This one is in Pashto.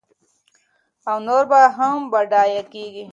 او نور به هم بډایه کېږي.